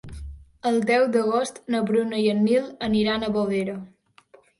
El deu d'agost na Bruna i en Nil aniran a Bovera.